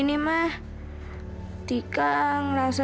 kok gak diangkat sih